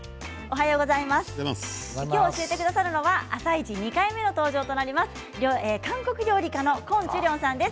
今日教えてくださるのは「あさイチ」２回目の登場の韓国料理家のコン・チュリョンさんです。